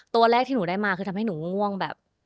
ตัวแรกที่หนูได้มาคือทำให้หนูง่วงแบบ